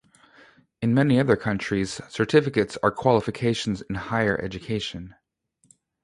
In many other countries, certificates are qualifications in higher education.